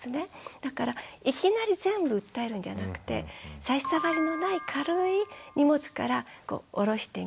だからいきなり全部訴えるんじゃなくて差し障りのない軽い荷物から下ろしてみる。